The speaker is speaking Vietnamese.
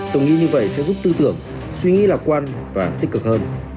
tôi nghĩ như vậy sẽ giúp tư tưởng suy nghĩ lạc quan và tích cực hơn